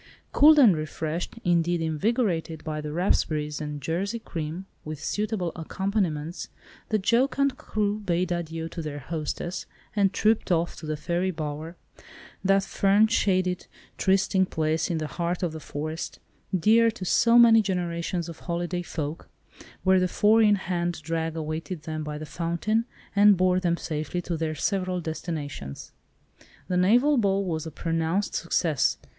Cooled and refreshed, indeed invigorated by the raspberries and Jersey cream, with suitable accompaniments, the jocund crew bade adieu to their hostess, and trooped off to the Fairy Bower, that fern shaded trysting place in the heart of the forest, dear to so many generations of holiday folk, where the four in hand drag awaited them by the fountain, and bore them safely to their several destinations. The naval ball was a pronounced success.